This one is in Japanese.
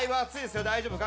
大丈夫か？